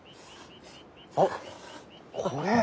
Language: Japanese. あっこれ。